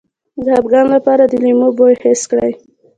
د خپګان لپاره د لیمو بوی حس کړئ